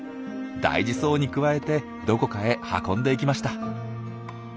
大事そうにくわえてどこかへ運んでいきました。